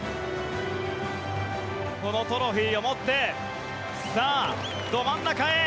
このトロフィーを持ってさあ、ど真ん中へ。